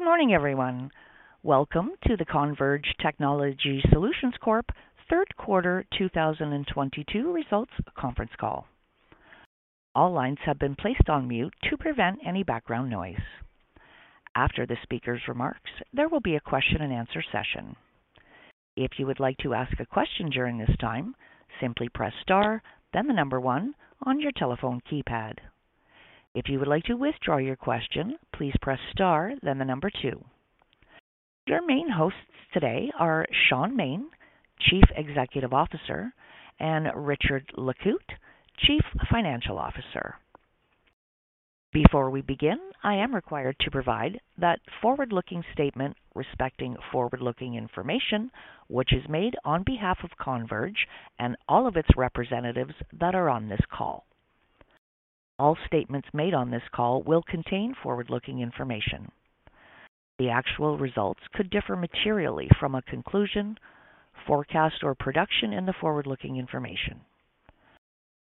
Good morning, everyone. Welcome to the Converge Technology Solutions Corp Third Quarter 2022 Results Conference Call. All lines have been placed on mute to prevent any background noise. After the speaker's remarks, there will be a question and answer session. If you would like to ask a question during this time, simply press star, then the number one on your telephone keypad. If you would like to withdraw your question, please press star then the number two. Your main hosts today are Shaun Maine, Chief Executive Officer, and Richard Lecoutre, Chief Financial Officer. Before we begin, I am required to provide that forward-looking statement respecting forward-looking information which is made on behalf of Converge and all of its representatives that are on this call. All statements made on this call will contain forward-looking information. The actual results could differ materially from a conclusion, forecast, or projection in the forward-looking information.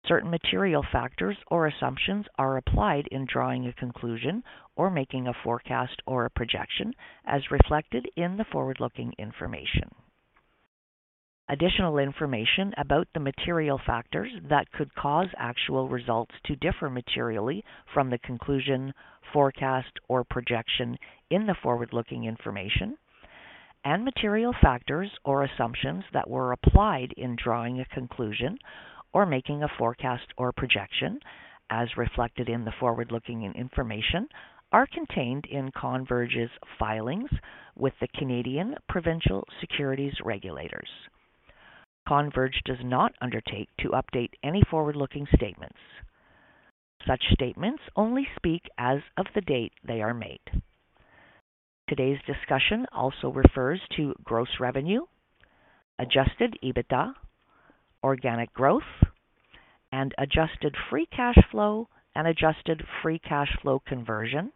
Certain material factors or assumptions are applied in drawing a conclusion or making a forecast or a projection as reflected in the forward-looking information. Additional information about the material factors that could cause actual results to differ materially from the conclusion, forecast, or projection in the forward-looking information and material factors or assumptions that were applied in drawing a conclusion or making a forecast or a projection as reflected in the forward-looking information are contained in Converge's filings with the Canadian provincial securities regulators. Converge does not undertake to update any forward-looking statements. Such statements only speak as of the date they are made. Today's discussion also refers to gross revenue, adjusted EBITDA, organic growth, and adjusted free cash flow and adjusted free cash flow conversion,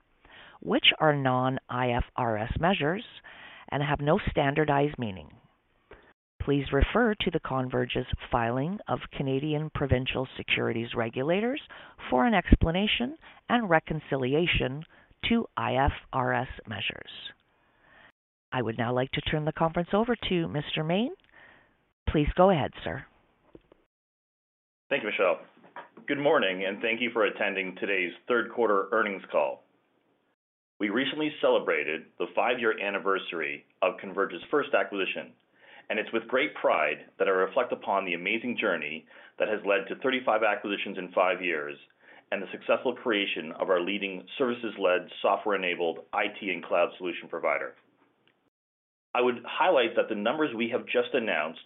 which are non-IFRS measures and have no standardized meaning. Please refer to Converge's filings with Canadian securities regulators for an explanation and reconciliation to IFRS measures. I would now like to turn the conference over to Mr. Maine. Please go ahead, sir. Thank you, Michelle. Good morning, and thank you for attending today's third quarter earnings call. We recently celebrated the five-year anniversary of Converge's first acquisition, and it's with great pride that I reflect upon the amazing journey that has led to 35 acquisitions in five years and the successful creation of our leading services-led, software-enabled IT and cloud solution provider. I would highlight that the numbers we have just announced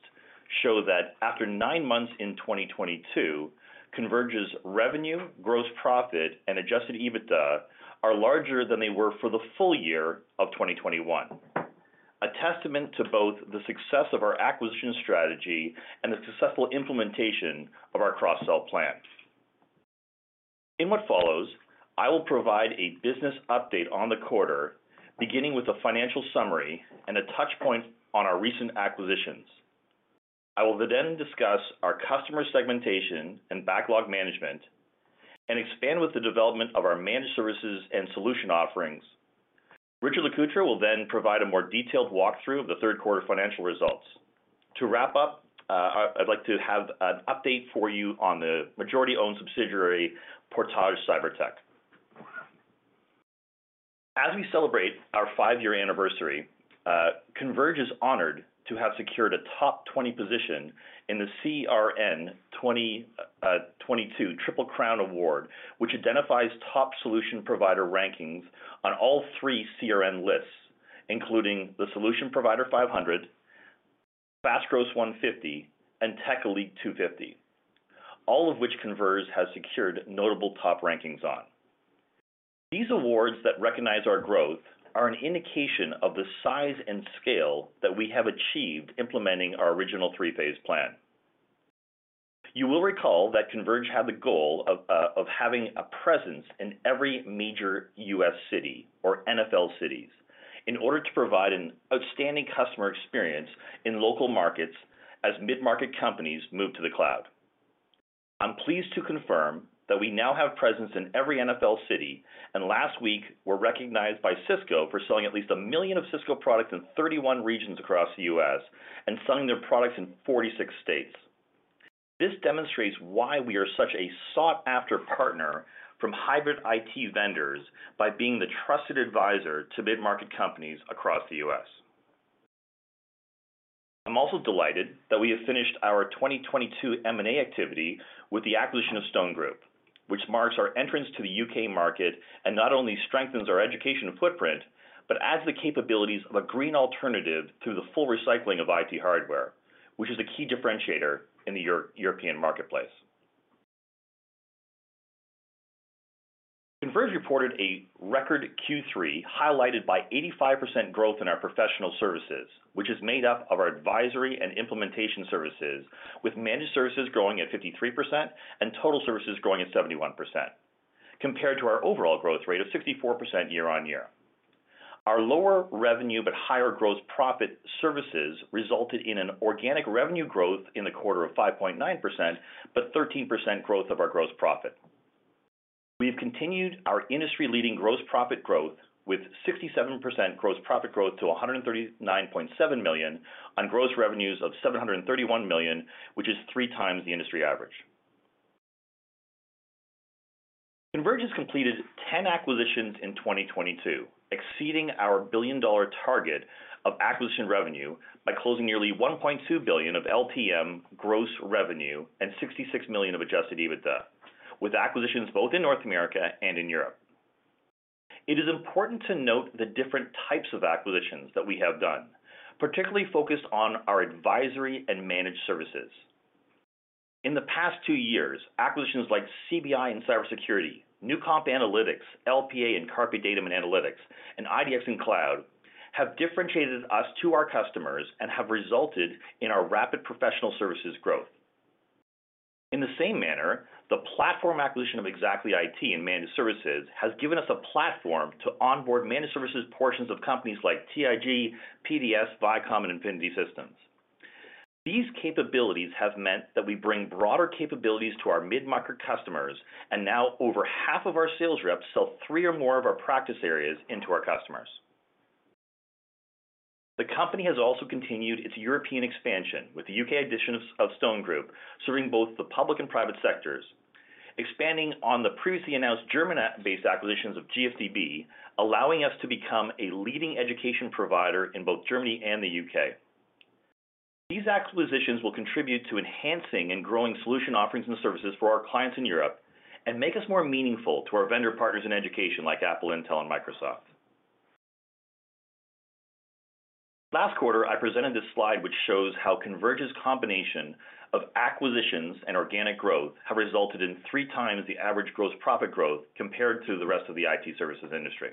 show that after 9 months in 2022, Converge's revenue, gross profit, and adjusted EBITDA are larger than they were for the full year of 2021, a testament to both the success of our acquisition strategy and the successful implementation of our cross-sell plan. In what follows, I will provide a business update on the quarter, beginning with a financial summary and a touch point on our recent acquisitions. I will then discuss our customer segmentation and backlog management and expand with the development of our managed services and solution offerings. Richard Lecoutre will then provide a more detailed walkthrough of the third quarter financial results. To wrap up, I'd like to have an update for you on the majority-owned subsidiary, Portage CyberTech. As we celebrate our five-year anniversary, Converge is honored to have secured a top 20 position in the CRN 2022 Triple Crown Award, which identifies top solution provider rankings on all three CRN lists, including the Solution Provider 500, Fast Growth 150, and Tech Elite 250, all of which Converge has secured notable top rankings on. These awards that recognize our growth are an indication of the size and scale that we have achieved implementing our original three-phase plan. You will recall that Converge had the goal of having a presence in every major U.S. city or NFL cities in order to provide an outstanding customer experience in local markets as mid-market companies move to the cloud. I'm pleased to confirm that we now have presence in every NFL city, and last week were recognized by Cisco for selling at least 1 million of Cisco products in 31 regions across the U.S. and selling their products in 46 states. This demonstrates why we are such a sought-after partner from hybrid IT vendors by being the trusted advisor to mid-market companies across the U.S. I'm also delighted that we have finished our 2022 M&A activity with the acquisition of Stone Group, which marks our entrance to the U.K. market and not only strengthens our education footprint, but adds the capabilities of a green alternative through the full recycling of IT hardware, which is a key differentiator in the European marketplace. Converge reported a record Q3, highlighted by 85% growth in our professional services, which is made up of our advisory and implementation services, with managed services growing at 53% and total services growing at 71%, compared to our overall growth rate of 64% year-on-year. Our lower revenue but higher gross profit services resulted in an organic revenue growth in the quarter of 5.9%, but 13% growth of our gross profit. We've continued our industry-leading gross profit growth with 67% gross profit growth to 139.7 million on gross revenues of 731 million, which is three times the industry average. Converge completed 10 acquisitions in 2022, exceeding our 1 billion dollar target of acquisition revenue by closing nearly 1.2 billion of LTM gross revenue and 66 million of adjusted EBITDA, with acquisitions both in North America and in Europe. It is important to note the different types of acquisitions that we have done, particularly focused on our advisory and managed services. In the past two years, acquisitions like CBI and Cybersecurity, Newcomp Analytics, LPA, and CarpeDatum and Analytics, and IDX and Cloud have differentiated us to our customers and have resulted in our rapid professional services growth. In the same manner, the platform acquisition of ExactlyIT and Managed Services has given us a platform to onboard managed services portions of companies like TIG, PDS, Vicom, and Infinity Systems. These capabilities have meant that we bring broader capabilities to our mid-market customers, and now over half of our sales reps sell three or more of our practice areas into our customers. The company has also continued its European expansion with the U.K. addition of Stone Technologies Group, serving both the public and private sectors, expanding on the previously announced German-based acquisitions of GfdB, allowing us to become a leading education provider in both Germany and the U.K. These acquisitions will contribute to enhancing and growing solution offerings and services for our clients in Europe and make us more meaningful to our vendor partners in education like Apple, Intel, and Microsoft. Last quarter, I presented this slide, which shows how Converge's combination of acquisitions and organic growth have resulted in three times the average gross profit growth compared to the rest of the IT services industry.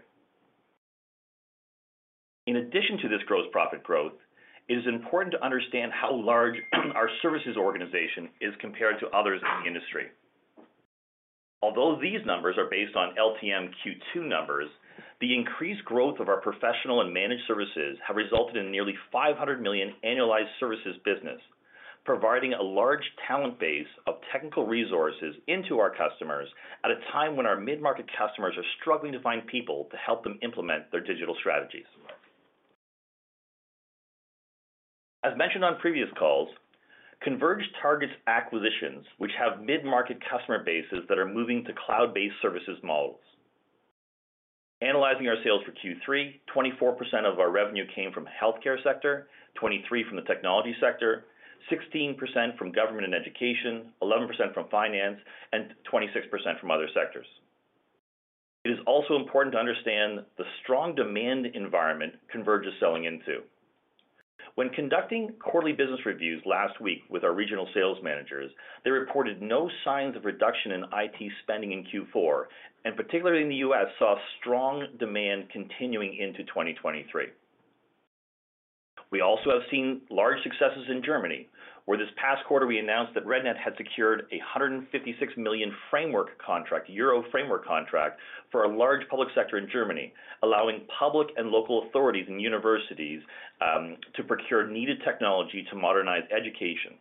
In addition to this gross profit growth, it is important to understand how large our services organization is compared to others in the industry. Although these numbers are based on LTMQ2 numbers, the increased growth of our professional and managed services have resulted in nearly 500 million annualized services business, providing a large talent base of technical resources into our customers at a time when our mid-market customers are struggling to find people to help them implement their digital strategies. As mentioned on previous calls, Converge targets acquisitions, which have mid-market customer bases that are moving to cloud-based services models. Analyzing our sales for Q3, 24% of our revenue came from healthcare sector, 23% from the technology sector, 16% from government and education, 11% from finance, and 26% from other sectors. It is also important to understand the strong demand environment Converge is selling into. When conducting quarterly business reviews last week with our regional sales managers, they reported no signs of reduction in IT spending in Q4, and particularly in the U.S., saw strong demand continuing into 2023. We also have seen large successes in Germany, where this past quarter we announced that REDNET had secured 156 million framework contract, euro framework contract for a large public sector in Germany, allowing public and local authorities and universities to procure needed technology to modernize education.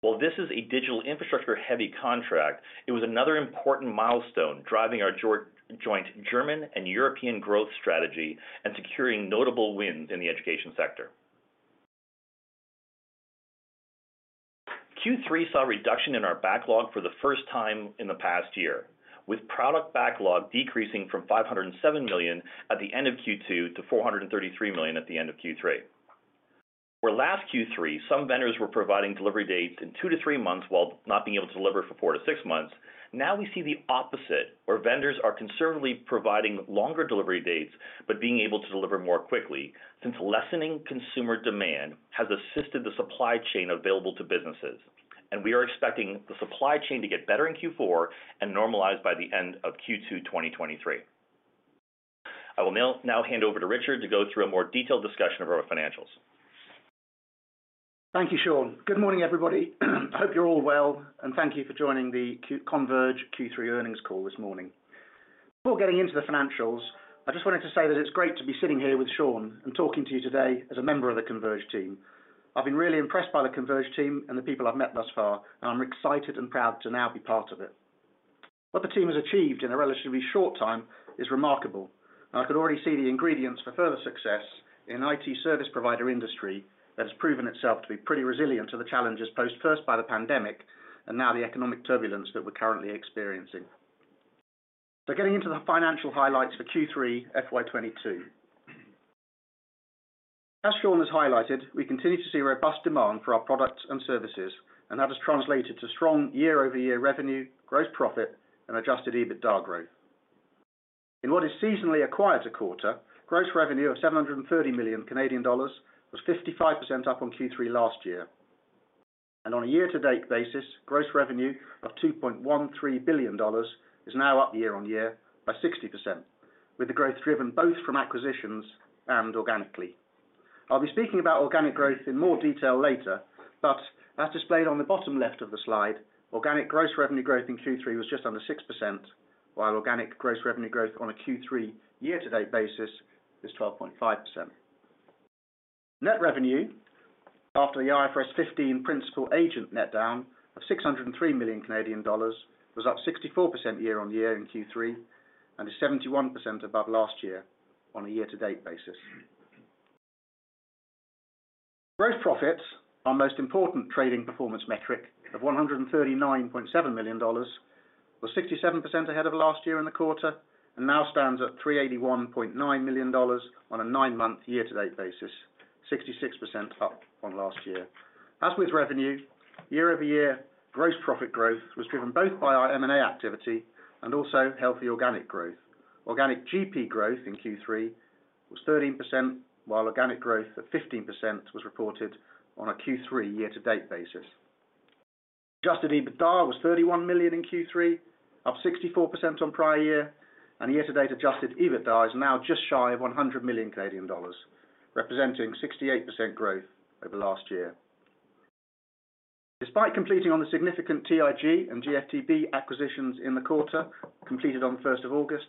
While this is a digital infrastructure-heavy contract, it was another important milestone, driving our German and European growth strategy and securing notable wins in the education sector. Q3 saw a reduction in our backlog for the first time in the past year, with product backlog decreasing from 507 million at the end of Q2 to 433 million at the end of Q3. Whereas last Q3, some vendors were providing delivery dates in two to three months while not being able to deliver for four to six months. Now we see the opposite, where vendors are conservatively providing longer delivery dates but being able to deliver more quickly since lessening consumer demand has assisted the supply chain available to businesses. We are expecting the supply chain to get better in Q4 and normalized by the end of Q2 2023. I will now hand over to Richard to go through a more detailed discussion of our financials. Thank you, Shaun. Good morning, everybody. Hope you're all well, and thank you for joining the Converge Q3 earnings call this morning. Before getting into the financials, I just wanted to say that it's great to be sitting here with Shaun and talking to you today as a member of the Converge team. I've been really impressed by the Converge team and the people I've met thus far, and I'm excited and proud to now be part of it. What the team has achieved in a relatively short time is remarkable. I could already see the ingredients for further success in an IT service provider industry that has proven itself to be pretty resilient to the challenges posed first by the pandemic, and now the economic turbulence that we're currently experiencing. Getting into the financial highlights for Q3 FY 2022. As Shaun has highlighted, we continue to see robust demand for our products and services, and that has translated to strong year-over-year revenue, gross profit, and adjusted EBITDA growth. In what is seasonally a quieter quarter, gross revenue of 730 million Canadian dollars was 55% up on Q3 last year. On a year-to-date basis, gross revenue of 2.13 billion dollars is now up year-over-year by 60%, with the growth driven both from acquisitions and organically. I'll be speaking about organic growth in more detail later, but as displayed on the bottom left of the slide, organic gross revenue growth in Q3 was just under 6%, while organic gross revenue growth on a Q3 year-to-date basis is 12.5%. Net revenue after the IFRS 15 principal-agent net down of 603 million Canadian dollars was up 64% year-over-year in Q3 and is 71% above last year on a year-to-date basis. Gross profits, our most important trading performance metric of 139.7 million dollars was 67% ahead of last year in the quarter and now stands at 381.9 million dollars on a nine-month year-to-date basis, 66% up on last year. As with revenue, year-over-year gross profit growth was driven both by our M&A activity and also healthy organic growth. Organic GP growth in Q3 was 13% while organic growth of 15% was reported on a Q3 year to date basis. Adjusted EBITDA was 31 million in Q3, up 64% on prior year, and the year to date adjusted EBITDA is now just shy of 100 million Canadian dollars, representing 68% growth over last year. Despite completing on the significant TIG and GfdB acquisitions in the quarter completed on the first of August,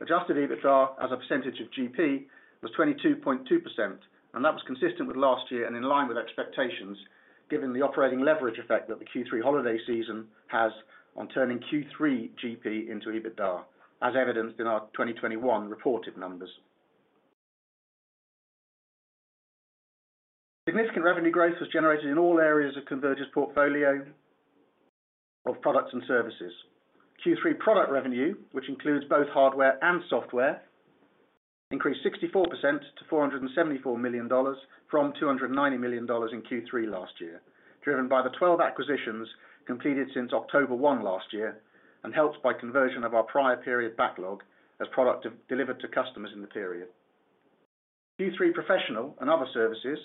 adjusted EBITDA as a percentage of GP was 22.2%, and that was consistent with last year and in line with expectations, given the operating leverage effect that the Q3 holiday season has on turning Q3 GP into EBITDA, as evidenced in our 2021 reported numbers. Significant revenue growth was generated in all areas of Converge's portfolio of products and services. Q3 product revenue, which includes both hardware and software, increased 64% to 474 million dollars from 290 million dollars in Q3 last year, driven by the 12 acquisitions completed since October 1 last year, and helped by conversion of our prior period backlog as product delivered to customers in the period. Q3 professional and other services,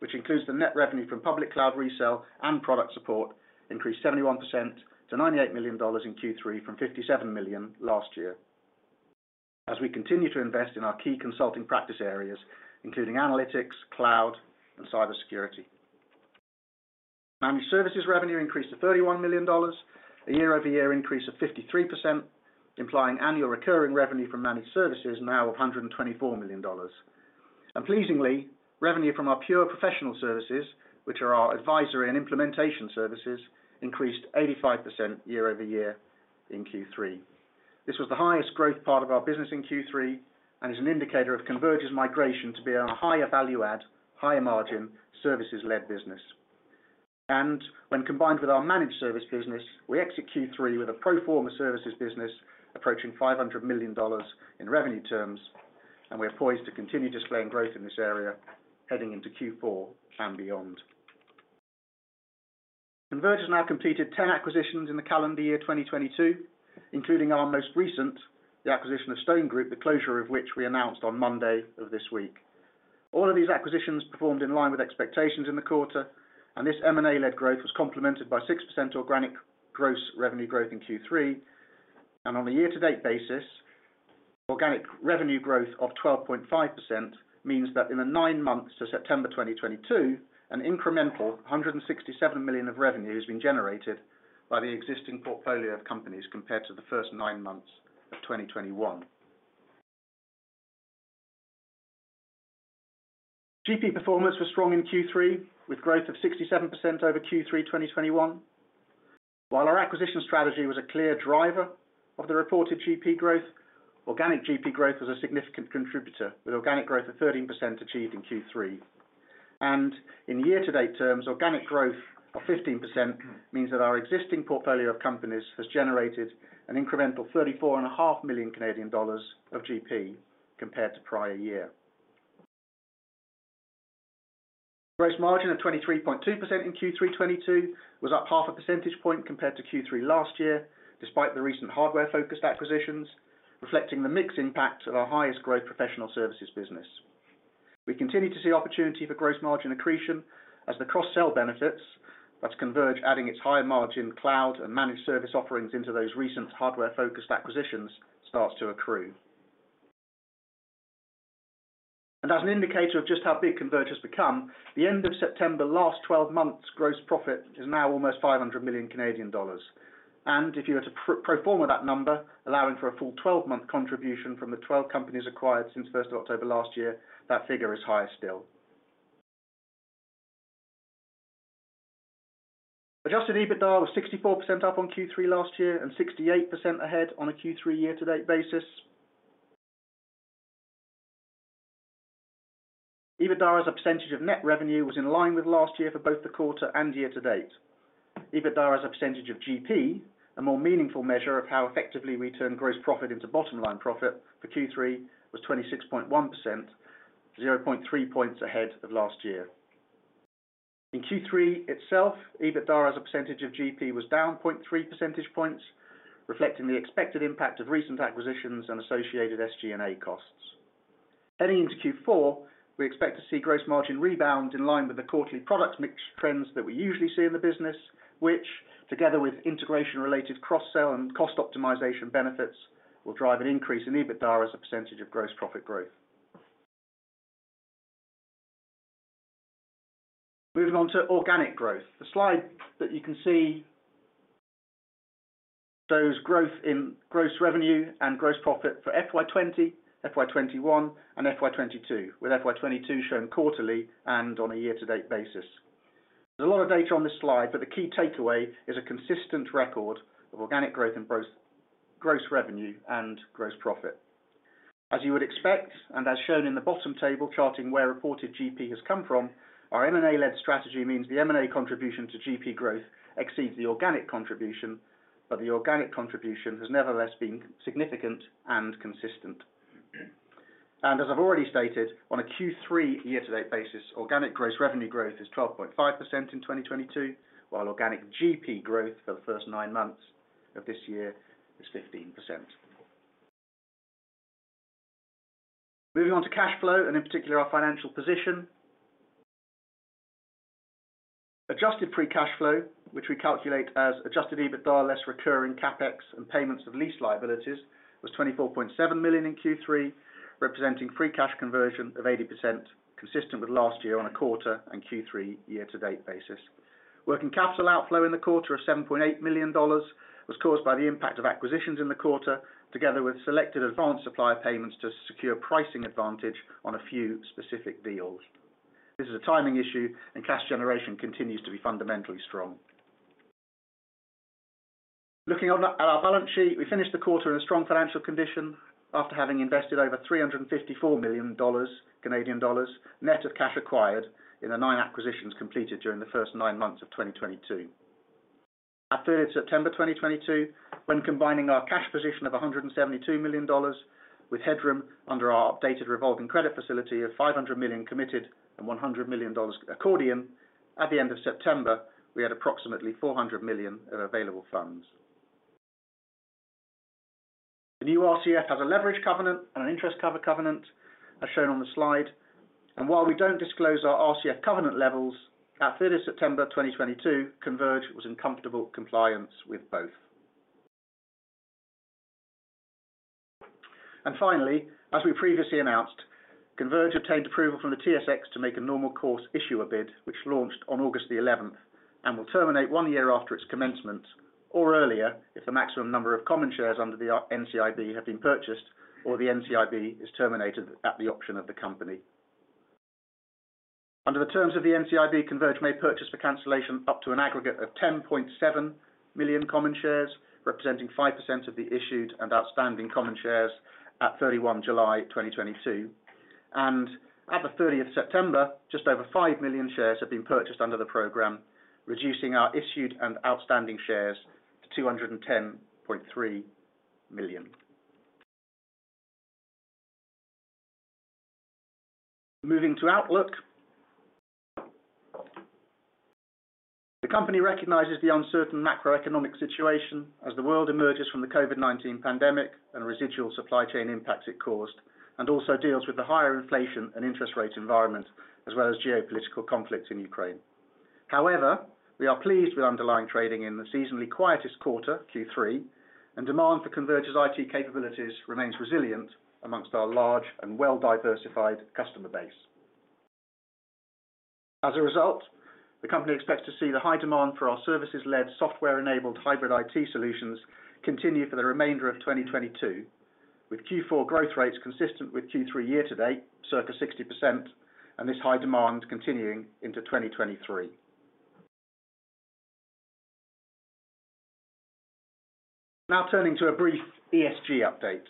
which includes the net revenue from public cloud resale and product support, increased 71% to 98 million dollars in Q3 from 57 million last year. We continue to invest in our key consulting practice areas, including analytics, cloud, and cyber security. Managed services revenue increased to 31 million dollars, a year-over-year increase of 53%, implying annual recurring revenue from managed services now of 124 million dollars. Pleasingly, revenue from our pure professional services, which are our advisory and implementation services, increased 85% year-over-year in Q3. This was the highest growth part of our business in Q3 and is an indicator of Converge's migration to be on a higher value add, higher margin services led business. When combined with our managed service business, we exit Q3 with a pro forma services business approaching 500 million dollars in revenue terms, and we are poised to continue displaying growth in this area heading into Q4 and beyond. Converge now completed 10 acquisitions in the calendar year 2022, including our most recent, the acquisition of Stone Group, the closure of which we announced on Monday of this week. All of these acquisitions performed in line with expectations in the quarter, and this M&A led growth was complemented by 6% organic gross revenue growth in Q3. On a year to date basis, organic revenue growth of 12.5% means that in the nine months to September 2022, an incremental 167 million of revenue has been generated by the existing portfolio of companies compared to the first nine months of 2021. GP performance was strong in Q3 with growth of 67% over Q3 2021. While our acquisition strategy was a clear driver of the reported GP growth, organic GP growth was a significant contributor with organic growth of 13% achieved in Q3. In year to date terms, organic growth of 15% means that our existing portfolio of companies has generated an incremental 34.5 million Canadian dollars of GP compared to prior year. Gross margin of 23.2% in Q3 2022 was up 0.5 percentage point compared to Q3 last year, despite the recent hardware focused acquisitions, reflecting the mix impact of our highest growth professional services business. We continue to see opportunity for gross margin accretion as the cross-sell benefits that's Converge adding its higher margin cloud and managed service offerings into those recent hardware focused acquisitions starts to accrue. As an indicator of just how big Converge has become, the end of September last twelve months gross profit is now almost 500 million Canadian dollars. If you were to pro forma that number allowing for a full 12-month contribution from the 12 companies acquired since first of October last year, that figure is higher still. Adjusted EBITDA was 64% up on Q3 last year and 68% ahead on a Q3 year to date basis. EBITDA as a percentage of net revenue was in line with last year for both the quarter and year to date. EBITDA as a percentage of GP, a more meaningful measure of how effectively we turn gross profit into bottom line profit for Q3 was 26.1%, 0.3 points ahead of last year. In Q3 itself, EBITDA as a percentage of GP was down 0.3 percentage points, reflecting the expected impact of recent acquisitions and associated SG&A costs. Heading into Q4, we expect to see gross margin rebound in line with the quarterly product mix trends that we usually see in the business, which together with integration related cross-sell and cost optimization benefits, will drive an increase in EBITDA as a percentage of gross profit growth. Moving on to organic growth. The slide that you can see those growth in gross revenue and gross profit for FY 2020, FY 2021 and FY 2022, with FY 2022 shown quarterly and on a year to date basis. There's a lot of data on this slide, but the key takeaway is a consistent record of organic growth and gross revenue and gross profit. As you would expect, and as shown in the bottom table charting where reported GP has come from, our M&A led strategy means the M&A contribution to GP growth exceeds the organic contribution. The organic contribution has nevertheless been significant and consistent. As I've already stated, on a Q3 year-to-date basis, organic gross revenue growth is 12.5% in 2022, while organic GP growth for the first nine months of this year is 15%. Moving on to cash flow and in particular our financial position. Adjusted free cash flow, which we calculate as adjusted EBITDA less recurring CapEx and payments of lease liabilities, was 24.7 million in Q3, representing free cash conversion of 80% consistent with last year on a quarter and Q3 year-to-date basis. Working capital outflow in the quarter of 7.8 million dollars was caused by the impact of acquisitions in the quarter, together with selected advanced supplier payments to secure pricing advantage on a few specific deals. This is a timing issue and cash generation continues to be fundamentally strong. Looking at our balance sheet, we finished the quarter in a strong financial condition after having invested over 354 million Canadian dollars, net of cash acquired in the nine acquisitions completed during the first nine months of 2022. At September 2022, when combining our cash position of 172 million dollars with headroom under our updated revolving credit facility of 500 million committed and 100 million dollars accordion. At the end of September, we had approximately 400 million of available funds. The new RCF has a leverage covenant and an interest cover covenant, as shown on the slide. While we don't disclose our RCF covenant levels, at September 2022, Converge was in comfortable compliance with both. Finally, as we previously announced, Converge obtained approval from the TSX to make a normal course issuer bid, which launched on August 11 and will terminate one year after its commencement or earlier if the maximum number of common shares under the NCIB have been purchased or the NCIB is terminated at the option of the company. Under the terms of the NCIB, Converge may purchase for cancellation up to an aggregate of 10.7 million common shares, representing 5% of the issued and outstanding common shares at 31 July 2022. At 30th September, just over 5 million shares have been purchased under the program, reducing our issued and outstanding shares to 210.3 million. Moving to outlook. The company recognizes the uncertain macroeconomic situation as the world emerges from the COVID-19 pandemic and residual supply chain impacts it caused, and also deals with the higher inflation and interest rate environment, as well as geopolitical conflicts in Ukraine. However, we are pleased with underlying trading in the seasonally quietest quarter, Q3, and demand for Converge's IT capabilities remains resilient among our large and well-diversified customer base. As a result, the company expects to see the high demand for our services-led, software-enabled hybrid IT solutions continue for the remainder of 2022, with Q4 growth rates consistent with Q3 year to date, circa 60%, and this high demand continuing into 2023. Now turning to a brief ESG update.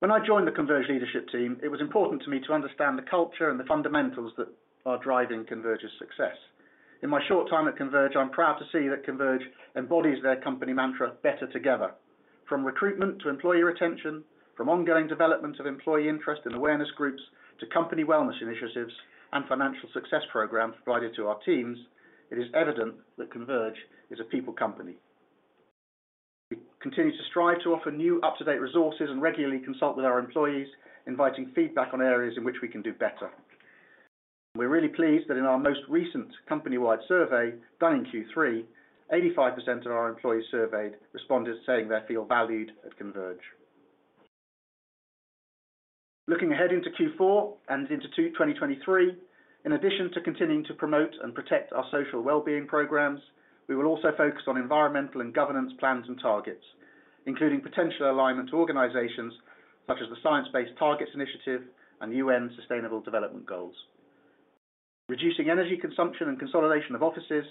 When I joined the Converge leadership team, it was important to me to understand the culture and the fundamentals that are driving Converge's success. In my short time at Converge, I'm proud to see that Converge embodies their company mantra, better together. From recruitment to employee retention, from ongoing development of employee interest and awareness groups, to company wellness initiatives and financial success programs provided to our teams, it is evident that Converge is a people company. We continue to strive to offer new up-to-date resources and regularly consult with our employees, inviting feedback on areas in which we can do better. We're really pleased that in our most recent company-wide survey done in Q3, 85% of our employees surveyed responded saying they feel valued at Converge. Looking ahead into Q4 and into 2023, in addition to continuing to promote and protect our social well-being programs, we will also focus on environmental and governance plans and targets, including potential alignment to organizations such as the Science Based Targets initiative and UN Sustainable Development Goals. Reducing energy consumption and consolidation of offices,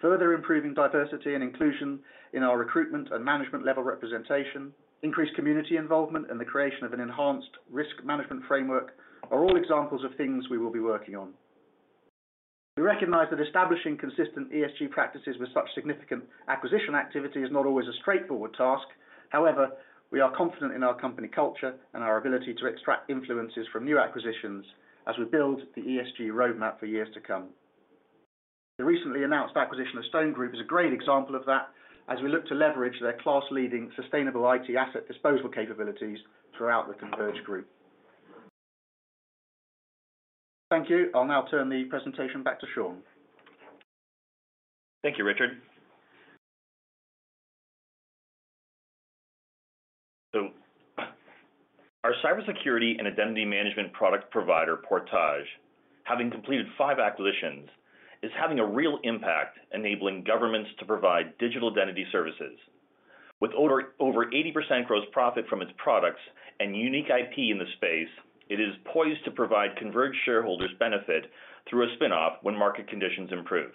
further improving diversity and inclusion in our recruitment and management level representation, increased community involvement, and the creation of an enhanced risk management framework are all examples of things we will be working on. We recognize that establishing consistent ESG practices with such significant acquisition activity is not always a straightforward task. However, we are confident in our company culture and our ability to extract influences from new acquisitions as we build the ESG roadmap for years to come. The recently announced acquisition of Stone Group is a great example of that as we look to leverage their class-leading sustainable IT asset disposal capabilities throughout the Converge group. Thank you. I'll now turn the presentation back to Shaun Maine. Thank you, Richard. Cybersecurity and identity management product provider Portage, having completed five acquisitions, is having a real impact enabling governments to provide digital identity services. With over 80% gross profit from its products and unique IP in the space, it is poised to provide Converge shareholders benefit through a spin-off when market conditions improve.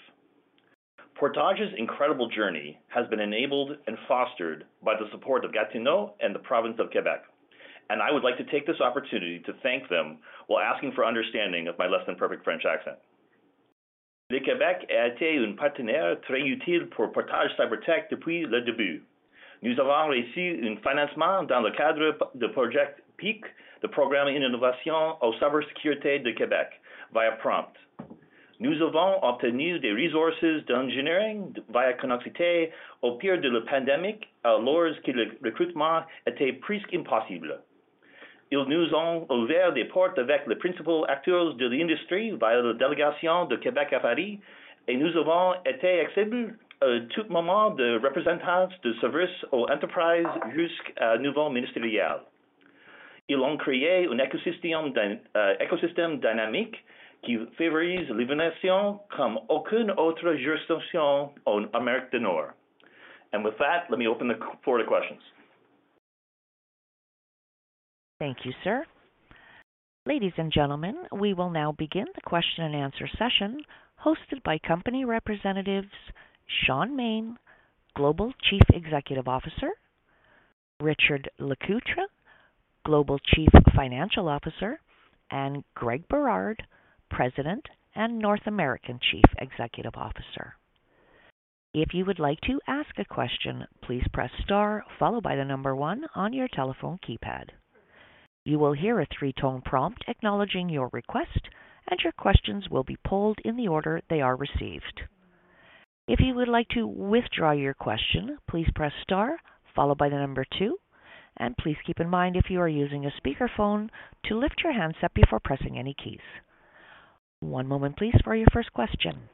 Portage's incredible journey has been enabled and fostered by the support of Gatineau and the province of Quebec, and I would like to take this opportunity to thank them while asking for understanding of my less than perfect French accent. With that, let me open the floor to questions. Thank you, sir. Ladies and gentlemen, we will now begin the question and answer session hosted by company representatives Shaun Maine, Global Chief Executive Officer, Richard Lecoutre, Global Chief Financial Officer, and Greg Berard, President and North American Chief Executive Officer. If you would like to ask a question, please press star followed by the number one on your telephone keypad. You will hear a three-tone prompt acknowledging your request, and your questions will be polled in the order they are received. If you would like to withdraw your question, please press star followed by the number two. Please keep in mind, if you are using a speakerphone to lift your handset before pressing any keys. One moment please for your first question.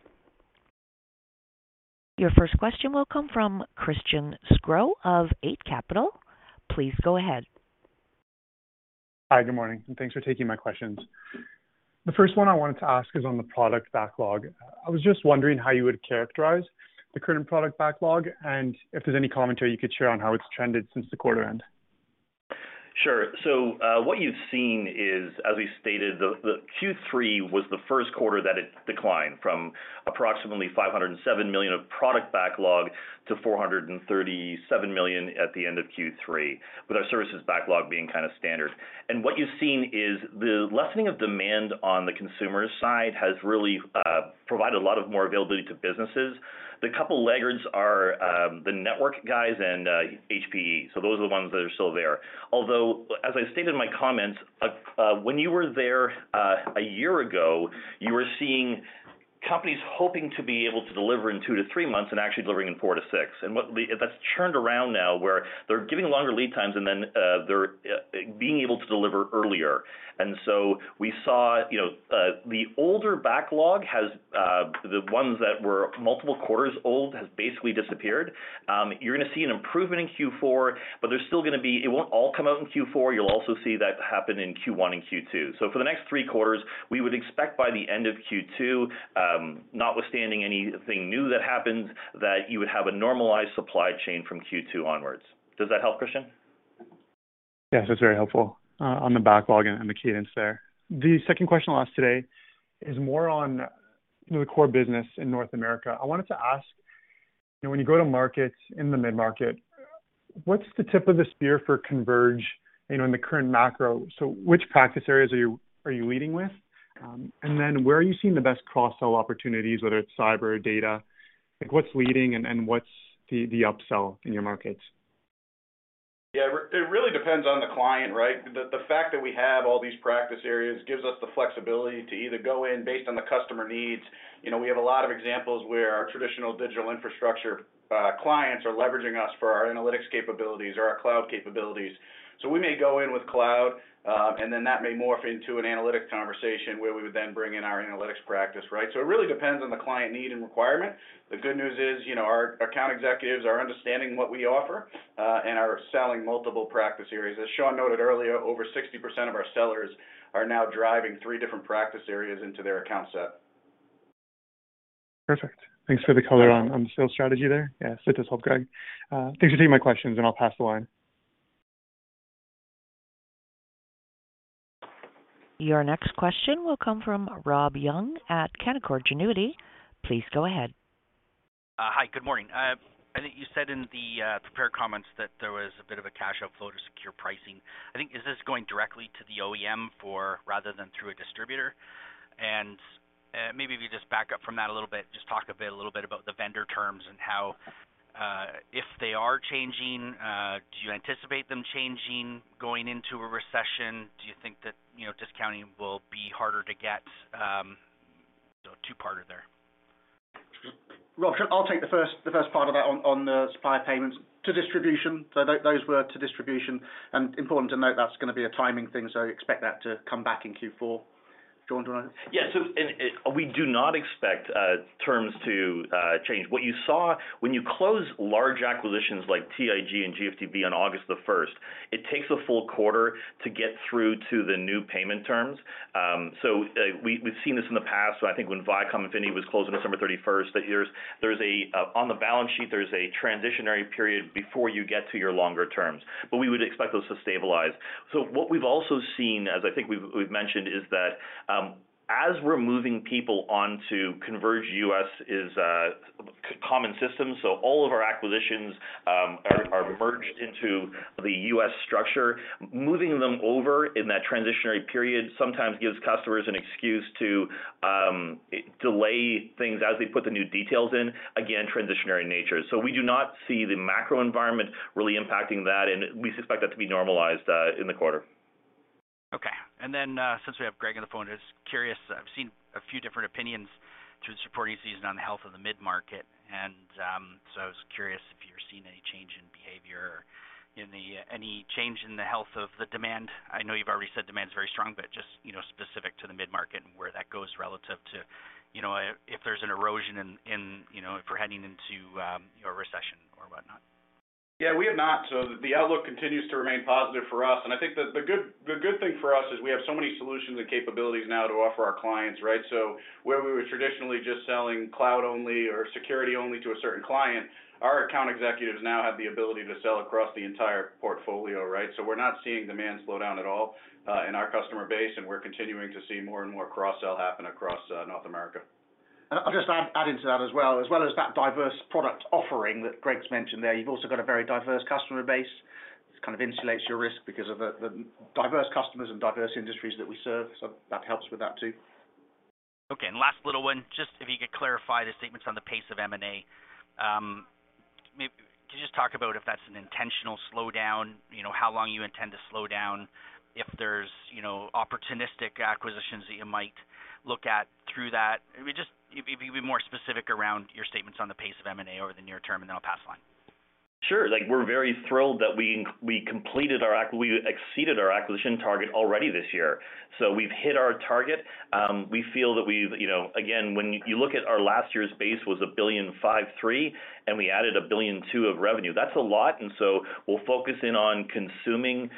Your first question will come from Christian Sgro of Eight Capital. Please go ahead. Hi. Good morning, and thanks for taking my questions. The first one I wanted to ask is on the product backlog. I was just wondering how you would characterize the current product backlog, and if there's any commentary you could share on how it's trended since the quarter end. Sure. What you've seen is, as we stated, the Q3 was the first quarter that it declined from approximately 507 million of product backlog to 437 million at the end of Q3, with our services backlog being kind of standard. What you've seen is the lessening of demand on the consumer side has really provided a lot more availability to businesses. The couple laggards are the network guys and HPE. Those are the ones that are still there. Although, as I stated in my comments, when you were there a year ago, you were seeing companies hoping to be able to deliver in two to three months and actually delivering in four to six. That's churned around now, where they're giving longer lead times and then, they're being able to deliver earlier. We saw the older backlog has the ones that were multiple quarters old has basically disappeared. You're gonna see an improvement in Q4, but there's still gonna be. It won't all come out in Q4. You'll also see that happen in Q1 and Q2. For the next three quarters, we would expect by the end of Q2, notwithstanding anything new that happens, that you would have a normalized supply chain from Q2 onwards. Does that help, Christian? Yes, that's very helpful on the backlog and the cadence there. The second question I'll ask today is more on the core business in North America. I wanted to ask, you know, when you go to market in the mid-market, what's the tip of the spear for Converge, you know, in the current macro? So which practice areas are you leading with? And then where are you seeing the best cross-sell opportunities, whether it's cyber or data? Like what's leading and what's the upsell in your markets? It really depends on the client, right? The fact that we have all these practice areas gives us the flexibility to either go in based on the customer needs. You know, we have a lot of examples where our traditional digital infrastructure clients are leveraging us for our analytics capabilities or our cloud capabilities. We may go in with cloud, and then that may morph into an analytic conversation where we would then bring in our analytics practice, right? It really depends on the client need and requirement. The good news is, you know, our account executives are understanding what we offer and are selling multiple practice areas. As Shaun noted earlier, over 60% of our sellers are now driving three different practice areas into their account set. Perfect. Thanks for the color on the sales strategy there. Yeah. It does help, Greg. Thanks for taking my questions, and I'll pass the line. Your next question will come from Rob Young at Canaccord Genuity. Please go ahead. Hi, good morning. I think you said in the prepared comments that there was a bit of a cash outflow to secure pricing. I think, is this going directly to the OEM or rather than through a distributor? Maybe if you just back up from that a little bit, just talk a bit, a little bit about the vendor terms and how, if they are changing, do you anticipate them changing going into a recession? Do you think that, you know, discounting will be harder to get? Two-parter there. Rob, I'll take the first part of that on the supplier payments to distribution. Those were to distribution. Important to note, that's gonna be a timing thing, so expect that to come back in Q4. We do not expect terms to change. When you close large acquisitions like TIG and GfdB on August 1st, it takes a full quarter to get through to the new payment terms. We've seen this in the past. I think when Vicom Infinity was closed on December 31st, that there's a transitional period on the balance sheet before you get to your longer terms. We would expect those to stabilize. What we've also seen, as I think we've mentioned, is that as we're moving people onto Converge U.S. is a common system, so all of our acquisitions are merged into the U.S. structure. Moving them over in that transitionary period sometimes gives customers an excuse to delay things as they put the new details in. Again, transitionary in nature. We do not see the macro environment really impacting that, and we expect that to be normalized in the quarter. Okay. Since we have Greg on the phone, just curious, I've seen a few different opinions through this reporting season on the health of the mid-market. I was curious if you're seeing any change in behavior or any change in the health of the demand. I know you've already said demand is very strong, but just, you know, specific to the mid-market and where that goes relative to, you know, if there's an erosion in, you know, if we're heading into a recession or whatnot. Yeah, we have not. The outlook continues to remain positive for us. I think that the good thing for us is we have so many solutions and capabilities now to offer our clients, right? Where we were traditionally just selling cloud only or security only to a certain client, our account executives now have the ability to sell across the entire portfolio, right? We're not seeing demand slow down at all in our customer base, and we're continuing to see more and more cross-sell happen across North America. I'll just add into that as well. As well as that diverse product offering that Greg's mentioned there, you've also got a very diverse customer base. This kind of insulates your risk because of the diverse customers and diverse industries that we serve. That helps with that too. Okay. Last little one, just if you could clarify the statements on the pace of M&A. Could you just talk about if that's an intentional slowdown, you know, how long you intend to slow down, if there's, you know, opportunistic acquisitions that you might look at through that? I mean, just if you could be more specific around your statements on the pace of M&A over the near term, and then I'll pass the line. Sure. Like, we're very thrilled that we exceeded our acquisition target already this year. We've hit our target. We feel that we've again, when you look at our last year's base was 1.53 billion, and we added 1.2 billion of revenue. That's a lot, and so we'll focus in on consolidating,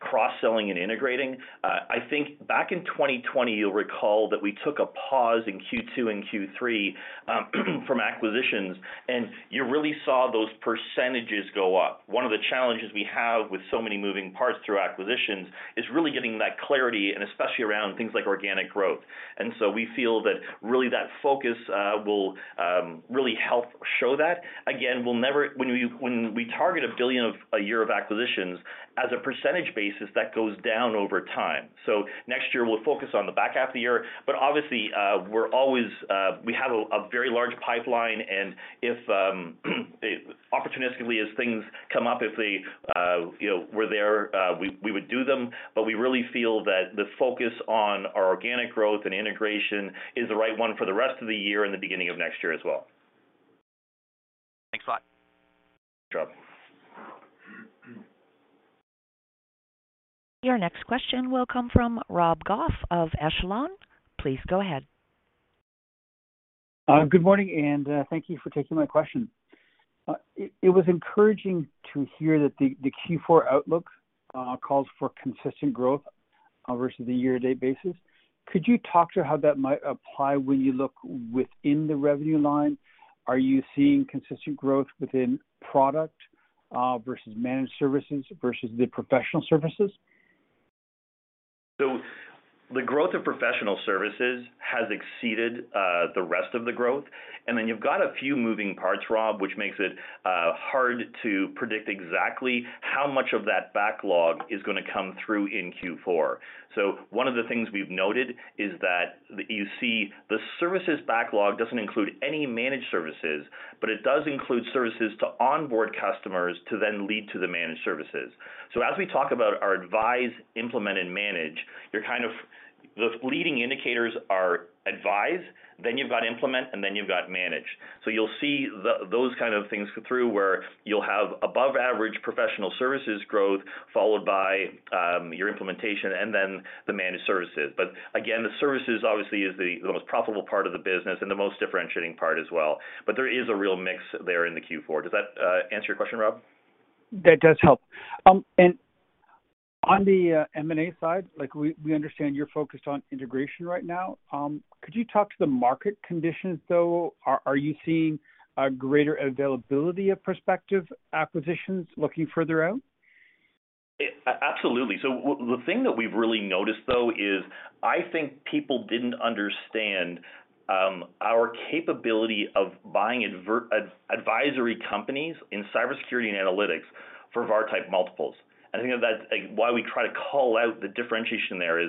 cross-selling and integrating. I think back in 2020, you'll recall that we took a pause in Q2 and Q3 from acquisitions, and you really saw those percentages go up. One of the challenges we have with so many moving parts through acquisitions is really getting that clarity, and especially around things like organic growth. We feel that really that focus will really help show that. When we target 1 billion a year of acquisitions, as a percentage basis, that goes down over time. Next year, we'll focus on the back half of the year. We're always, we have a very large pipeline, and if opportunistically, as things come up, if they you know, we're there, we would do them. We really feel that the focus on our organic growth and integration is the right one for the rest of the year and the beginning of next year as well. Thanks a lot. Good job. Your next question will come from Rob Goff of Echelon. Please go ahead. Good morning, and thank you for taking my question. It was encouraging to hear that the Q4 outlook calls for consistent growth versus the year-to-date basis. Could you talk to how that might apply when you look within the revenue line? Are you seeing consistent growth within product versus managed services versus the professional services? The growth of professional services has exceeded the rest of the growth. You've got a few moving parts, Rob, which makes it hard to predict exactly how much of that backlog is gonna come through in Q4. One of the things we've noted is that you see the services backlog doesn't include any managed services, but it does include services to onboard customers to then lead to the managed services. As we talk about our advise, implement, and manage, the leading indicators are advise, then you've got implement, and then you've got manage. You'll see those kind of things go through, where you'll have above average professional services growth followed by your implementation and then the managed services. Again, the services obviously is the most profitable part of the business and the most differentiating part as well. There is a real mix there in the Q4. Does that answer your question, Rob? That does help. On the M&A side, like we understand you're focused on integration right now. Could you talk to the market conditions, though? Are you seeing a greater availability of prospective acquisitions looking further out? Absolutely. The thing that we've really noticed, though, is I think people didn't understand our capability of buying advisory companies in cybersecurity and analytics for VAR-type multiples. I think that's like why we try to call out the differentiation there.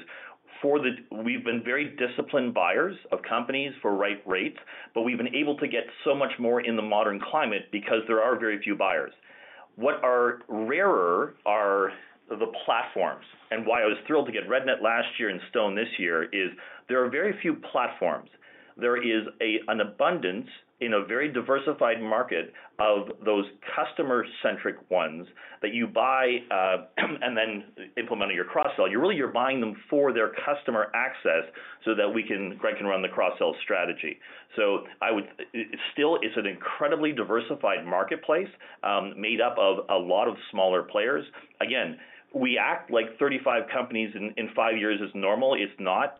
We've been very disciplined buyers of companies for right rates, but we've been able to get so much more in the modern climate because there are very few buyers. What are rarer are the platforms. Why I was thrilled to get REDNET last year and Stone this year is there are very few platforms. There is an abundance in a very diversified market of those customer-centric ones that you buy and then implement in your cross-sell. You're buying them for their customer access so that Greg can run the cross-sell strategy. Still, it's an incredibly diversified marketplace, made up of a lot of smaller players. Again, we act like 35 companies in five years is normal. It's not.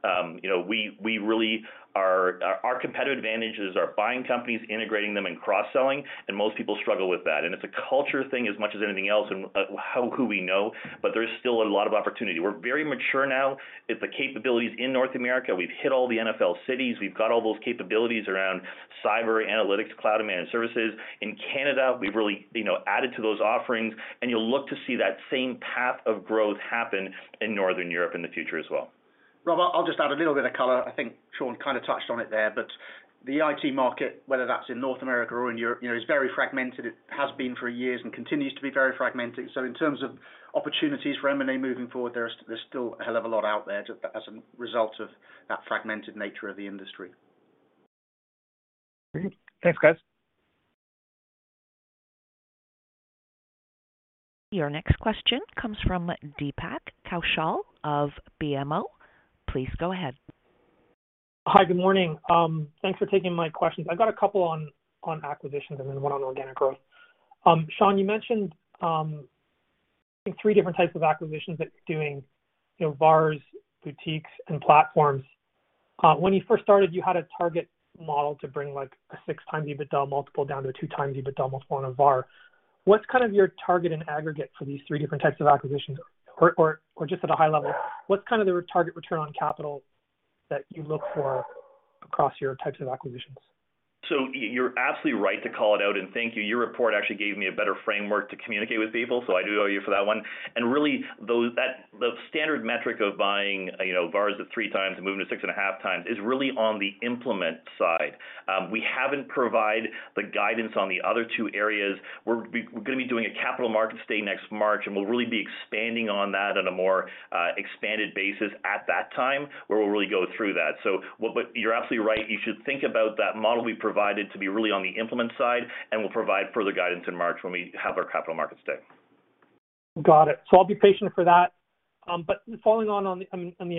Our competitive advantage is our buying companies, integrating them, and cross-selling, and most people struggle with that. It's a culture thing as much as anything else and who we know, but there's still a lot of opportunity. We're very mature now with the capabilities in North America. We've hit all the NFL cities. We've got all those capabilities around cyber analytics, cloud managed services. In Canada, we've really added to those offerings, and you'll look to see that same path of growth happen in Northern Europe in the future as well. Rob, I'll just add a little bit of color. I think Shaun kind of touched on it there, but the IT market, whether that's in North America or in Europe, you know, is very fragmented. It has been for years and continues to be very fragmented. So in terms of opportunities for M&A moving forward, there's still a hell of a lot out there as a result of that fragmented nature of the industry. Mm-hmm. Thanks, guys. Your next question comes from Deepak Kaushal of BMO. Please go ahead. Hi, good morning. Thanks for taking my questions. I've got a couple on acquisitions and then one on organic growth. Shaun, you mentioned three different types of acquisitions that you're doing, you know, VARs, boutiques, and platforms. When you first started, you had a target model to bring like a 6x EBITDA multiple down to a 2x EBITDA multiple on a VAR. What's kind of your target in aggregate for these three different types of acquisitions? Or just at a high level, what's kind of the required target return on capital that you look for across your types of acquisitions? You're absolutely right to call it out, and thank you. Your report actually gave me a better framework to communicate with people, so I do owe you for that one. Really, the standard metric of buying, you know, VARs at 3x and moving to 6.5x is really on the implement side. We haven't provided the guidance on the other two areas. We're gonna be doing a capital markets day next March, and we'll really be expanding on that on a more expanded basis at that time, where we'll really go through that. You're absolutely right. You should think about that model we provided to be really on the implement side, and we'll provide further guidance in March when we have our capital markets day. Got it. I'll be patient for that. Following on the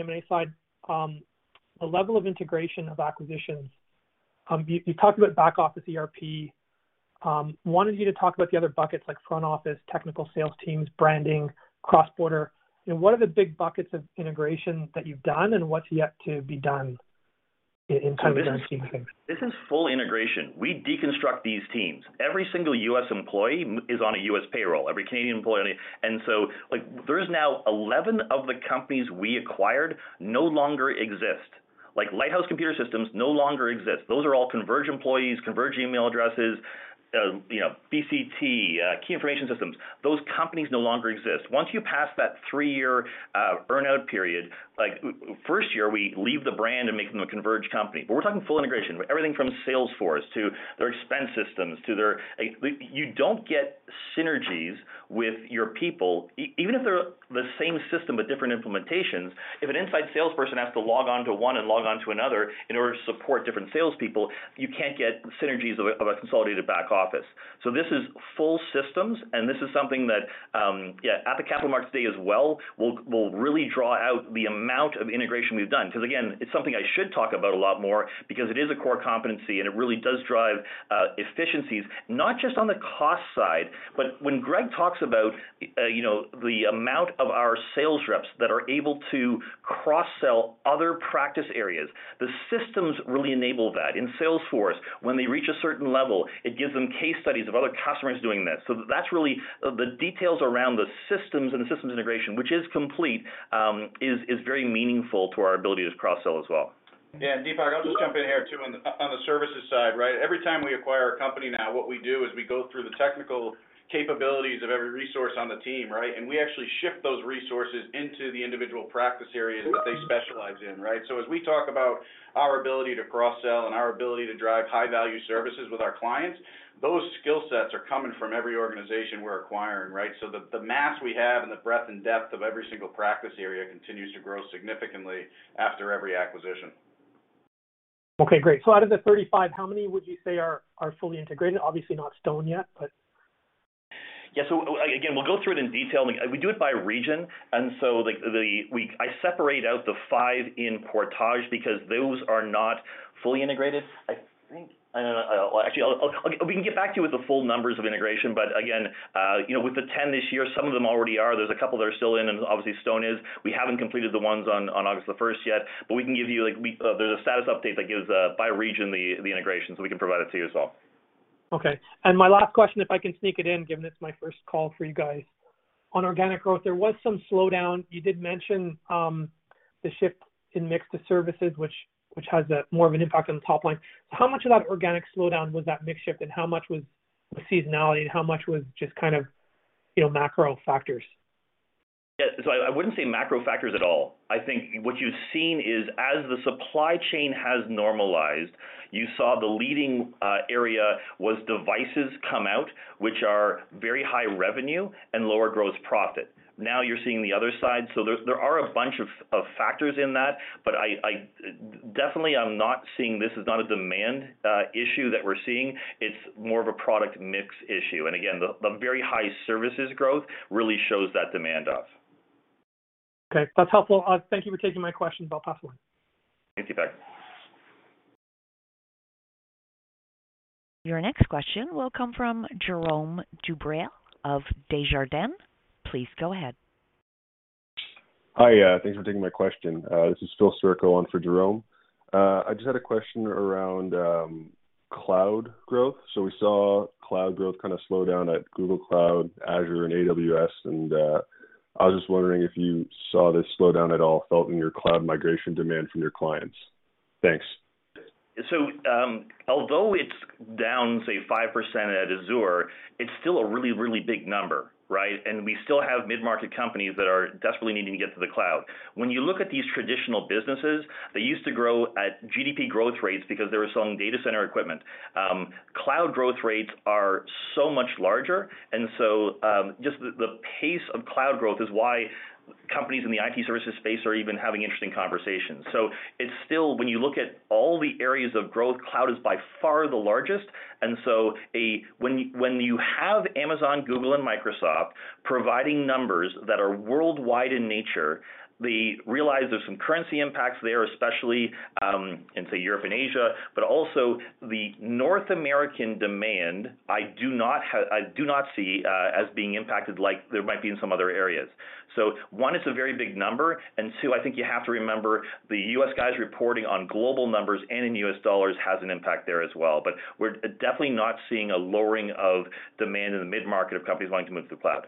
M&A side, the level of integration of acquisitions, you talked about back office ERP. Wanted you to talk about the other buckets like front office, technical sales teams, branding, cross-border. You know, what are the big buckets of integration that you've done and what's yet to be done in terms of- This is full integration. We deconstruct these teams. Every single U.S. employee is on a U.S. payroll, every Canadian employee on a Canadian payroll. Like, there is now 11 of the companies we acquired no longer exist. Like, Lighthouse Computer Services no longer exists. Those are all Converge employees, Converge email addresses, you know, BCT, Key Information Systems. Those companies no longer exist. Once you pass that three-year earn-out period, like, first year, we leave the brand and make them a Converge company. We're talking full integration, everything from Salesforce to their expense systems to their. Like, you don't get synergies with your people. Even if they're the same system but different implementations, if an inside salesperson has to log on to one and log on to another in order to support different salespeople, you can't get synergies of a consolidated back office. This is full systems, and this is something that, at the capital markets day as well, we'll really draw out the amount of integration we've done. Because again, it's something I should talk about a lot more because it is a core competency, and it really does drive efficiencies, not just on the cost side, but when Greg talks about, you know, the amount of our sales reps that are able to cross-sell other practice areas, the systems really enable that. In Salesforce, when they reach a certain level, it gives them case studies of other customers doing this. So that's really the details around the systems and the systems integration, which is complete, is very meaningful to our ability to cross-sell as well. Yeah, Deepak, I'll just jump in here too on the, on the services side, right? Every time we acquire a company now, what we do is we go through the technical capabilities of every resource on the team, right? We actually shift those resources into the individual practice areas that they specialize in, right? As we talk about our ability to cross-sell and our ability to drive high-value services with our clients, those skill sets are coming from every organization we're acquiring, right? The mass we have and the breadth and depth of every single practice area continues to grow significantly after every acquisition. Okay, great. Out of the 35, how many would you say are fully integrated? Obviously not Stone yet, but. Yeah. Again, we'll go through it in detail. We do it by region. Like, I separate out the five in Portage because those are not fully integrated. I don't know. Actually, we can get back to you with the full numbers of integration. Again, you know, with the 10 this year, some of them already are. There's a couple that are still in, and obviously, Stone is. We haven't completed the ones on August the first yet, but we can give you. Like, there's a status update that gives by region the integration, so we can provide it to you as well. Okay. My last question, if I can sneak it in, given it's my first call for you guys. On organic growth, there was some slowdown. You did mention the shift in mix to services, which has more of an impact on the top line. How much of that organic slowdown was that mix shift, and how much was seasonality, and how much was just kind of, you know, macro factors? Yeah, so I wouldn't say macro factors at all. I think what you've seen is as the supply chain has normalized, you saw the leading area was devices come out, which are very high revenue and lower gross profit. Now you're seeing the other side. There are a bunch of factors in that, but definitely I'm not seeing this as not a demand issue that we're seeing. It's more of a product mix issue. Again, the very high services growth really shows that demand up. Okay, that's helpful. Thank you for taking my questions. I'll pass the line. Thank you, Deepak. Your next question will come from Jérôme Dubreuil of Desjardins. Please go ahead. Hi, thanks for taking my question. This is Phil Circo on for Jérôme. I just had a question around cloud growth. We saw cloud growth kind of slow down at Google Cloud, Azure and AWS, and I was just wondering if you saw this slowdown at all felt in your cloud migration demand from your clients. Thanks. Although it's down, say 5% at Azure, it's still a really, really big number, right? We still have mid-market companies that are desperately needing to get to the cloud. When you look at these traditional businesses, they used to grow at GDP growth rates because they were selling data center equipment. Cloud growth rates are so much larger. Just the pace of cloud growth is why companies in the IT services space are even having interesting conversations. It's still, when you look at all the areas of growth, cloud is by far the largest. When you have Amazon, Google and Microsoft providing numbers that are worldwide in nature, they realize there's some currency impacts there, especially in say Europe and Asia. Also the North American demand, I do not see as being impacted like there might be in some other areas. One, it's a very big number, and two, I think you have to remember the U.S. guys reporting on global numbers and in U.S. dollars has an impact there as well. We're definitely not seeing a lowering of demand in the mid-market of companies wanting to move to the cloud.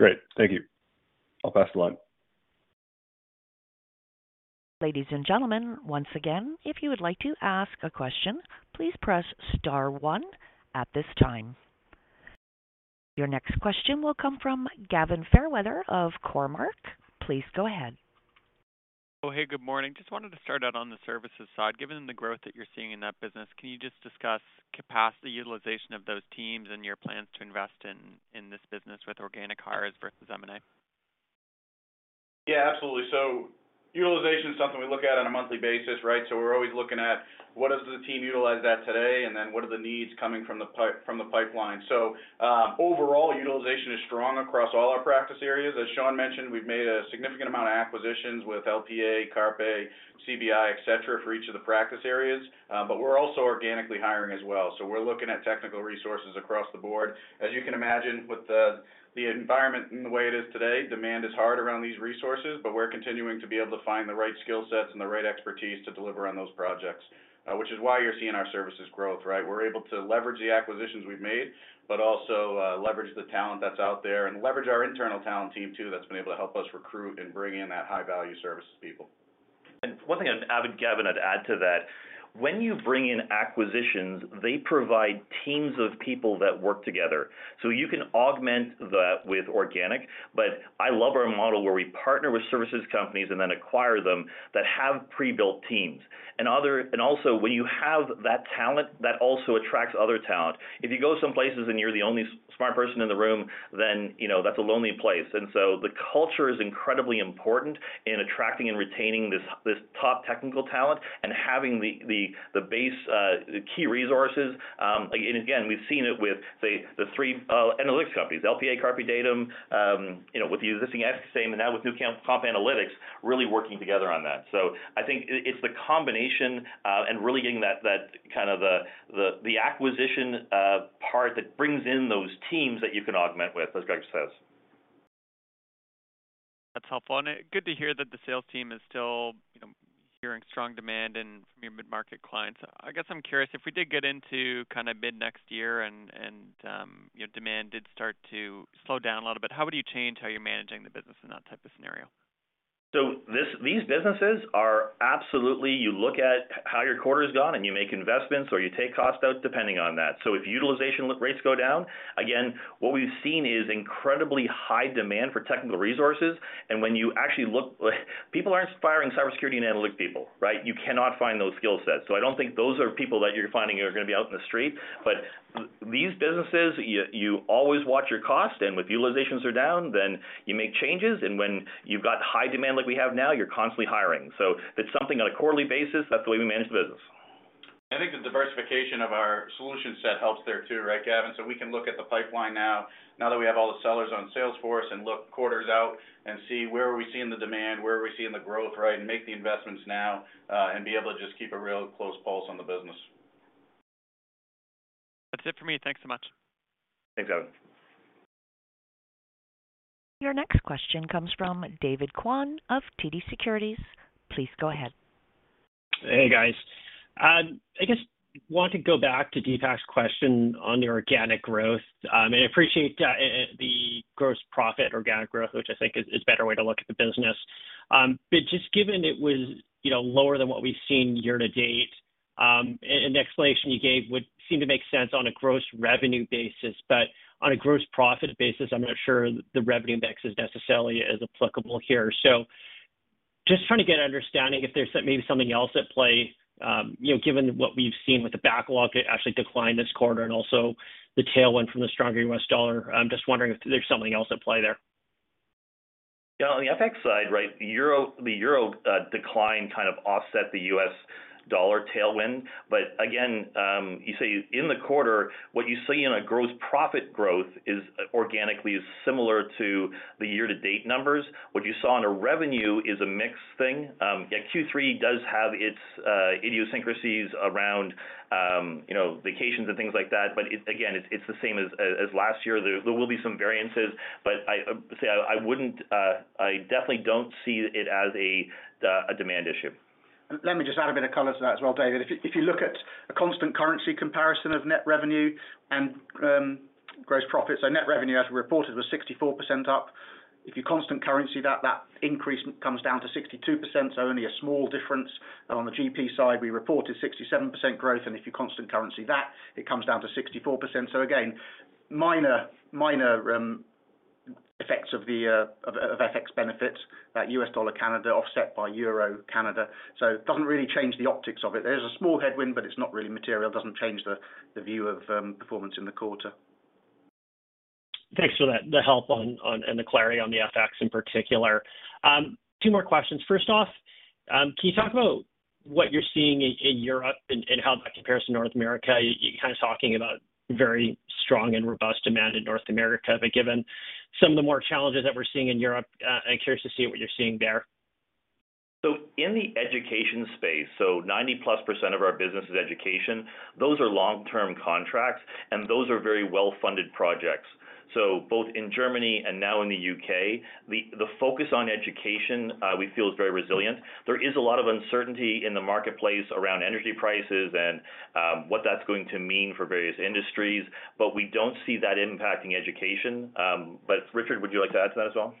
Great. Thank you. I'll pass the line. Ladies and gentlemen, once again, if you would like to ask a question, please press star one at this time. Your next question will come from Gavin Fairweather of Cormark. Please go ahead. Oh, hey, good morning. Just wanted to start out on the services side. Given the growth that you're seeing in that business, can you just discuss capacity utilization of those teams and your plans to invest in this business with organic hires versus M&A? Yeah, absolutely. Utilization is something we look at on a monthly basis, right? We're always looking at what is the team utilized at today, and then what are the needs coming from the pipeline. Overall utilization is strong across all our practice areas. As Shaun mentioned, we've made a significant amount of acquisitions with LPA, Carpe, CBI, et cetera, for each of the practice areas. We're also organically hiring as well. We're looking at technical resources across the board. As you can imagine, with the environment in the way it is today, demand is high around these resources, but we're continuing to be able to find the right skill sets and the right expertise to deliver on those projects, which is why you're seeing our services growth, right? We're able to leverage the acquisitions we've made, but also, leverage the talent that's out there and leverage our internal talent team too, that's been able to help us recruit and bring in that high-value services people. Gavin, I'd add to that, when you bring in acquisitions, they provide teams of people that work together, so you can augment that with organic. I love our model where we partner with services companies and then acquire them that have pre-built teams. Also when you have that talent, that also attracts other talent. If you go some places and you're the only smart person in the room, then you know that's a lonely place. The culture is incredibly important in attracting and retaining this top technical talent and having the base key resources. Again, we've seen it with, say, the three analytics companies, LPA, CarpeDatum, you know, with the existing teams and now with Newcomp Analytics really working together on that. I think it's the combination, and really getting that kind of the acquisition part that brings in those teams that you can augment with, as Greg says. That's helpful. Good to hear that the sales team is still, you know, hearing strong demand and from your mid-market clients. I guess I'm curious if we did get into kind of mid-next year and you know, demand did start to slow down a little bit, how would you change how you're managing the business in that type of scenario? These businesses are absolutely, you look at how your quarter's gone and you make investments or you take cost out depending on that. If utilization rates go down, again, what we've seen is incredibly high demand for technical resources. When you actually look, people aren't firing cybersecurity and analytics people, right? You cannot find those skill sets. I don't think those are people that you're finding are gonna be out in the street. These businesses, you always watch your cost, and when utilizations are down, then you make changes. When you've got high demand like we have now, you're constantly hiring. It's something on a quarterly basis. That's the way we manage the business. I think the diversification of our solution set helps there too, right, Gavin? We can look at the pipeline now that we have all the sellers on Salesforce and look quarters out and see where are we seeing the demand, where are we seeing the growth, right? Make the investments now, and be able to just keep a real close pulse on the business. That's it for me. Thanks so much. Thanks, Gavin. Your next question comes from David Kwan of TD Securities. Please go ahead. Hey, guys. I guess I want to go back to Deepak's question on your organic growth. I appreciate the gross profit organic growth, which I think is a better way to look at the business. Just given it was, you know, lower than what we've seen year to date, an explanation you gave would seem to make sense on a gross revenue basis. On a gross profit basis, I'm not sure the revenue index is necessarily as applicable here. Just trying to get an understanding if there's maybe something else at play, you know, given what we've seen with the backlog actually decline this quarter and also the tailwind from the stronger U.S. dollar, I'm just wondering if there's something else at play there. Yeah. On the FX side, right, the euro decline kind of offset the U.S. dollar tailwind. But again, you see in the quarter, what you see in a gross profit growth is organically similar to the year to date numbers. What you saw on a revenue is a mix thing. Yeah, Q3 does have its idiosyncrasies around, you know, vacations and things like that. But again, it's the same as last year. There will be some variances, but I say I wouldn't. I definitely don't see it as a demand issue. Let me just add a bit of color to that as well, David. If you look at a constant currency comparison of net revenue and gross profits, so net revenue as reported was 64% up. If you constant currency that increase comes down to 62%, so only a small difference. On the GP side, we reported 67% growth, and if you constant currency that, it comes down to 64%. So again, minor effects of the FX benefits that U.S. dollar Canada offset by Euro Canada. So it doesn't really change the optics of it. There's a small headwind, but it's not really material. It doesn't change the view of performance in the quarter. Thanks for that, the help on and the clarity on the FX in particular. Two more questions. First off, can you talk about what you're seeing in Europe and how that compares to North America? You're kind of talking about very strong and robust demand in North America, but given some of the more challenges that we're seeing in Europe, I'm curious to see what you're seeing there. In the education space, 90%+ of our business is education, those are long-term contracts, and those are very well-funded projects. Both in Germany and now in the U.K., the focus on education, we feel is very resilient. There is a lot of uncertainty in the marketplace around energy prices and, what that's going to mean for various industries, but we don't see that impacting education. Richard, would you like to add to that as well?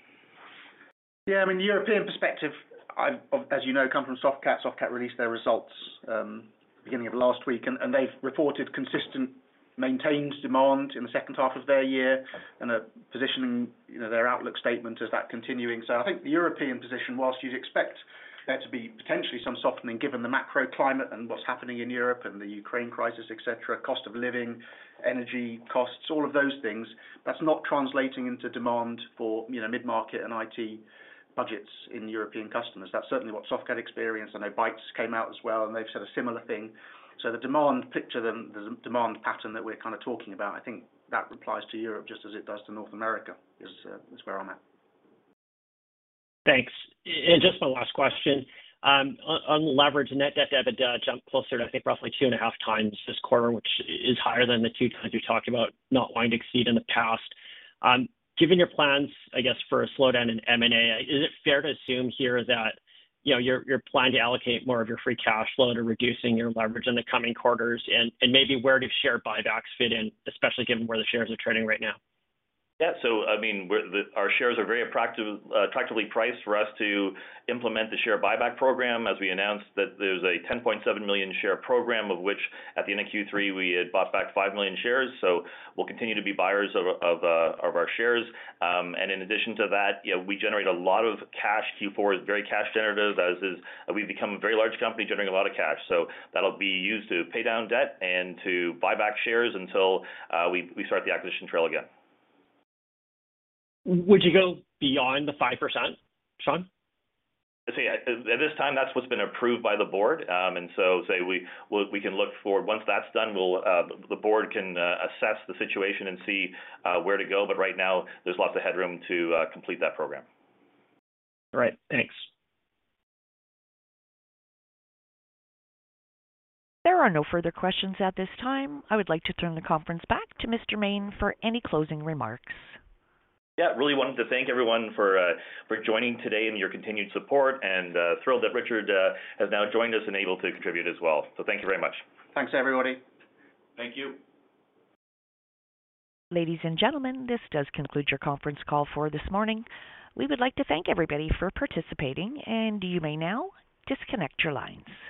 Yeah. I mean, the European perspective, I've, as you know, come from Softcat. Softcat released their results beginning of last week, and they've reported consistent maintained demand in the second half of their year and are positioning, you know, their outlook statement as that continuing. I think the European position, whilst you'd expect there to be potentially some softening given the macroclimate and what's happening in Europe and the Ukraine crisis, et cetera, cost of living, energy costs, all of those things, that's not translating into demand for, you know, mid-market and IT budgets in European customers. That's certainly what Softcat experienced. I know Bytes came out as well, and they've said a similar thing. The demand picture, the demand pattern that we're kind of talking about, I think that applies to Europe just as it does to North America, is where I'm at. Thanks. Just my last question. On leverage, net debt to EBITDA jumped closer to, I think, roughly 2.5x this quarter, which is higher than the 2x you talked about not wanting to exceed in the past. Given your plans, I guess, for a slowdown in M&A, is it fair to assume here that, you know, you're planning to allocate more of your free cash flow to reducing your leverage in the coming quarters? Maybe where do share buybacks fit in, especially given where the shares are trading right now? I mean, our shares are very attractively priced for us to implement the share buyback program. We announced that there's a 10.7 million share program of which at the end of Q3 we had bought back 5 million shares. We'll continue to be buyers of our shares. In addition to that, you know, we generate a lot of cash. Q4 is very cash generative. We've become a very large company generating a lot of cash. That'll be used to pay down debt and to buy back shares until we start the acquisition trail again. Would you go beyond the 5%, Shaun? So, at this time, that's what's been approved by the board. Once that's done, the board can assess the situation and see where to go. Right now there's lots of headroom to complete that program. All right. Thanks. There are no further questions at this time. I would like to turn the conference back to Mr. Maine for any closing remarks. Yeah. Really wanted to thank everyone for joining today and your continued support, and thrilled that Richard has now joined us and able to contribute as well. Thank you very much. Thanks, everybody. Thank you. Ladies and gentlemen, this does conclude your conference call for this morning. We would like to thank everybody for participating, and you may now disconnect your lines.